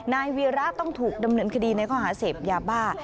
นายวีระต้องถูกดำเนินคดีในข้อหาเสพยาบ้า